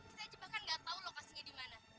kita aja bahkan gak tau lokasinya dimana